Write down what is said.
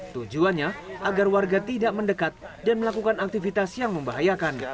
tujuannya agar warga tidak mendekat dan melakukan aktivitas yang membahayakan